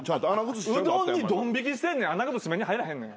うどんにドン引きしてんねんアナゴずし目に入らへんねん。